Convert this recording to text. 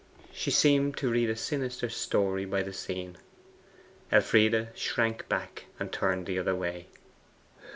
She seemed to read a sinister story in the scene. Elfride shrank back, and turned the other way.